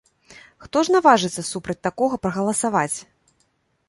Хто ж наважыцца супраць такога прагаласаваць?